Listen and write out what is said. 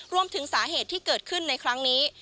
รวมถึงสาเหตุที่เกิดขึ้นในครั้งนี้